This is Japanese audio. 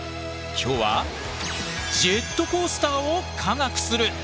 今日はジェットコースターを科学する！